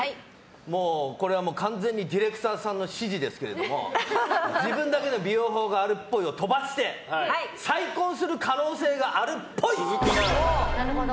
もう、これは完全にディレクターさんの指示ですけども自分だけの美容法があるっぽいを飛ばして再婚する可能性あるっぽい。